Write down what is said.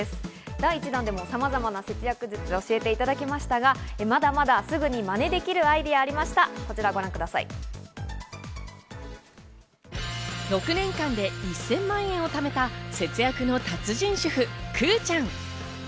第１弾でもさまざまな節約術を教えていただきましたが、まだまだすぐにマネできるアイデアがあ６年間で１０００万円を貯めた節約の達人主婦・くぅちゃん。